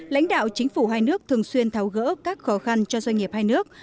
lãnh đạo chính phủ hai nước thường xuyên tháo gỡ các khó khăn cho doanh nghiệp hai nước